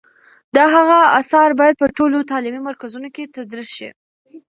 د هغه آثار باید په ټولو تعلیمي مرکزونو کې تدریس شي.